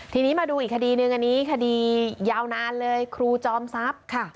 ทีนี้มาดูอีกคดีหนึ่งอันนี้คดียาวนานเลยครูจอมทรัพย์